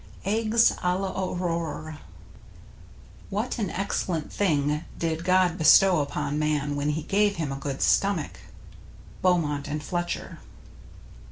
r EGGS A L'AURORE What an excellent thing did God bestow upon man when he gave him a good stomach. — Beaumont and Fletcher.